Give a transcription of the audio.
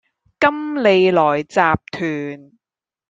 金利來集團